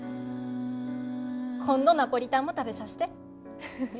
今度ナポリタンも食べさせて。